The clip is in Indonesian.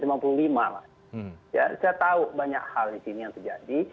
saya tahu banyak hal di sini yang terjadi